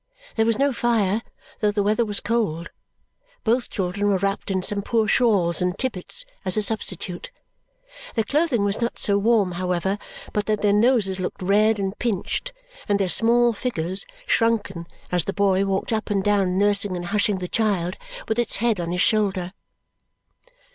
There was no fire, though the weather was cold; both children were wrapped in some poor shawls and tippets as a substitute. Their clothing was not so warm, however, but that their noses looked red and pinched and their small figures shrunken as the boy walked up and down nursing and hushing the child with its head on his shoulder.